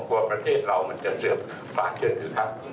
เพราะประเทศเรามันจะเสิร์ฟภาคเทียดดินครับ